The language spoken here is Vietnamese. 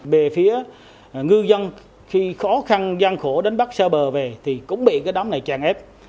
về phía ngư dân khi khó khăn gian khổ đánh bắt xa bờ về thì cũng bị cái đám này tràn ép